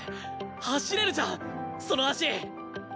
走れるじゃんその足！